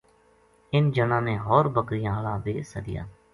اِن جناں نے ھور بکریاں ہالا بے سدیا